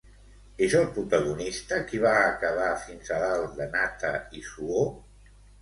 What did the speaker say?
És el protagonista qui va acabar fins a dalt de nata i suor?